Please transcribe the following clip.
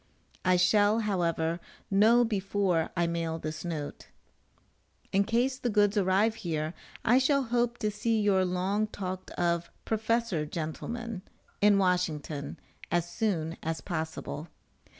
I shall, however, know before I mail this note. In case the goods arrive here I shall hope to see your long talked of "Professional gentleman" in Washington, as soon as possible.